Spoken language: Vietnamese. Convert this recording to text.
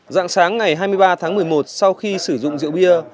dạng sáng ngày hai mươi ba tháng một mươi một sau khi sử dụng rượu bia